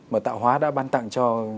mà tạo hóa đã ban tặng cho